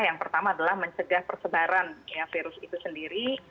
yang pertama adalah mencegah persebaran virus itu sendiri